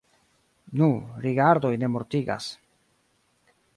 Nu, rigardoj ne mortigas.